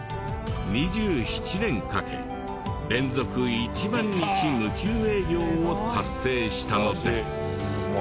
２７年かけ連続１万日無休営業を達成したのです。